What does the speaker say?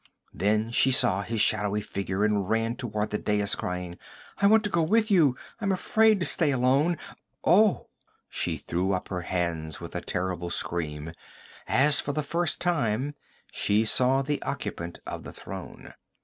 Then she saw his shadowy figure and ran toward the dais, crying: 'I want to go with you! I'm afraid to stay alone oh! She threw up her hands with a terrible scream as for the first time she saw the occupant of the throne.